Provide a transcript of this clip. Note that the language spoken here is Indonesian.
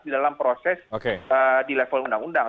di dalam proses di level undang undang